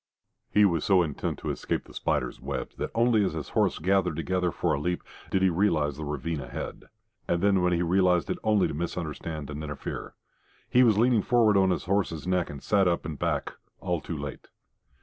He was so intent to escape the spiders' webs that only as his horse gathered together for a leap did he realise the ravine ahead. And then he realised it only to misunderstand and interfere. He was leaning forward on his horse's neck and sat up and back all too late.